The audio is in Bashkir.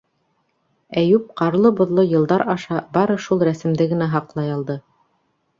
Әйүп ҡарлы-боҙло йылдар аша бары шул рәсемде генә һаҡлай алды...